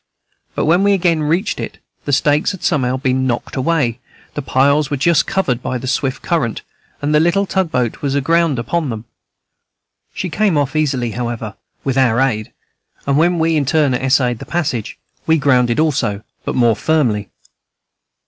But when we again reached it, the stakes had somehow been knocked away, the piles were just covered by the swift current, and the little tug boat was aground upon them. She came off easily, however, with our aid, and, when we in turn essayed the passage, we grounded also, but more firmly.